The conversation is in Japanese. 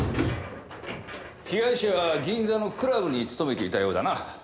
被害者は銀座のクラブに勤めていたようだな。